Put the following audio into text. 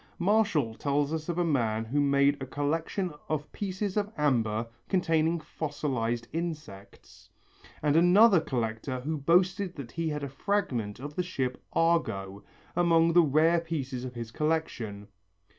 Martial tells us of a man who made a collection of pieces of amber containing fossilized insects, and of another collector who boasted that he had a fragment of the ship Argo among the rare pieces of his collection.